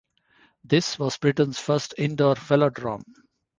This was Britain's first indoor velodrome.